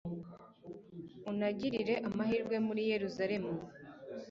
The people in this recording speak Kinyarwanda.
unagirire amahirwe muri yeruzalemu